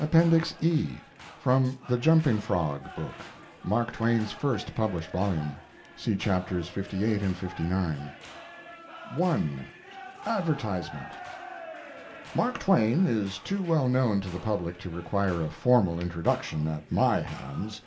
APPENDIX E FROM "THE JUMPING FROG" BOOK (MARK TWAIN'S FIRST PUBLISHED VOLUME) (See Chapters lviii and lix) I. ADVERTISEMENT "Mark Twain" is too well known to the public to require a formal introduction at my hands.